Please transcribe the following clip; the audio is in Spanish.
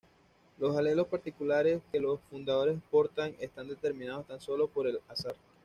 Los alelos particulares que los fundadores portan, están determinados tan sólo por el azar.